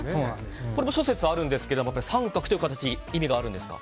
これも諸説あるんですけどやはり三角という形意味があるんですか？